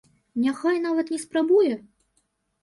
Няхай нават не спрабуе?